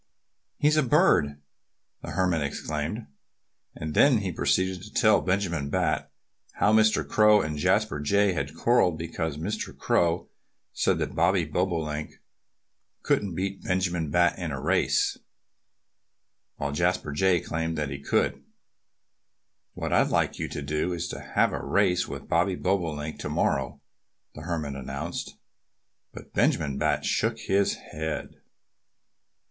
"He's a bird," the Hermit explained. And then he proceeded to tell Benjamin Bat how Mr. Crow and Jasper Jay had quarrelled because Mr. Crow said that Bobby Bobolink couldn't beat Benjamin Bat in a race, while Jasper Jay claimed that he could. "What I'd like you to do is to have a race with Bobby Bobolink to morrow," the Hermit announced. But Benjamin Bat shook his head.